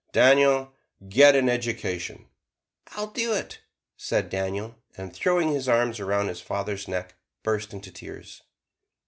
Daniel, get an education!" "I'll do it," said Daniel, and throwing his arms around his father's neck, burst into tears.